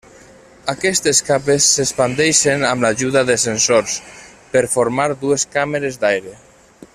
Aquestes capes s’expandeixen amb l’ajuda de sensors per formar dues càmeres d'aire.